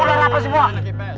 tidak ada yang kipas